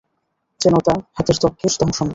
যেন তা হাতের ত্বককে দংশন করে।